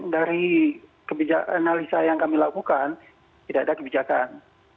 dari kebijakan analisa yang kami lakukan tidak ada kebijakan